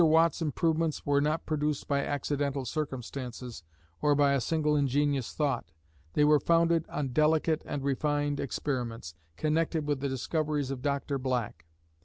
Watt's improvements were not produced by accidental circumstances or by a single ingenious thought; they were founded on delicate and refined experiments, connected with the discoveries of Dr. Black.